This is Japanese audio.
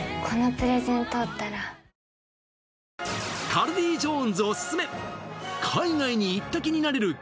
カルディ・ジョーンズオススメ